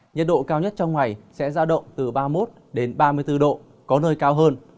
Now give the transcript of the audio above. nhiệt độ cao nhất trong ngày sẽ ra động từ ba mươi một ba mươi bốn độ có nơi cao hơn